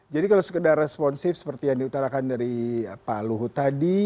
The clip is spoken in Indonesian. jadi kalau sekedar responsif seperti yang diutarakan dari pak luhut tadi